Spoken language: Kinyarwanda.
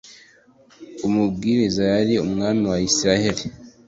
Umubwiriza yari umwami wa isiraheli